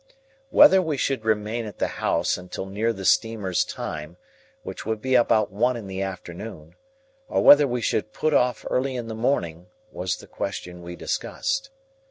Whether we should remain at the house until near the steamer's time, which would be about one in the afternoon, or whether we should put off early in the morning, was the question we discussed.